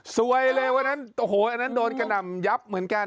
สวยเลยอันนั้นโดนกระหน่ำยับเหมือนกันนะคะ